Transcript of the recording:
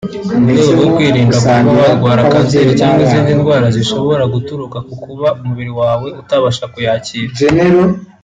mu rwego rwo kwirinda kuba warwara kanseri cyangwa izindi ndwara zishobora guturuka ku kuba umubiri wawe utabasha kuyakira